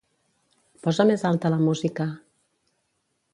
Posa més alta la música.